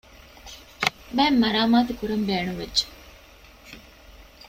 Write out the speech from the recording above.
ބައެއް މަރާމާތުކުރަން ބޭނުންވެއްޖެ